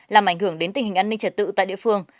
làm ảnh hưởng đến tình hình an ninh trật tự tại địa phương